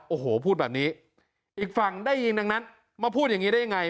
โอ้โหพูดแบบนี้อีกฝั่งได้ยินดังนั้นมาพูดอย่างนี้ได้ยังไง